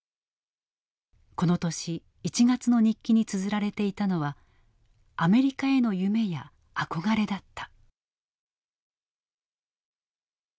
この年１月の日記につづられていたのはアメリカへの夢や憧れだった。